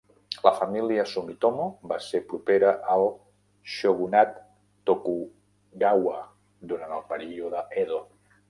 La família Sumitomo va ser propera al shogunat Tokugawa durant el període Edo.